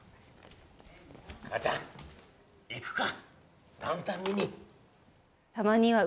母ちゃん、行くか？